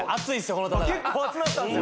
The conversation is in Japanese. この戦い結構熱なったんっすよ